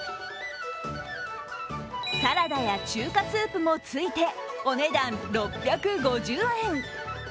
サラダや中華スープもついてお値段６５０円。